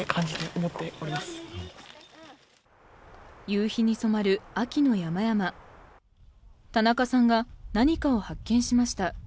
夕日に染まる秋の山々田中さんが何かを発見しました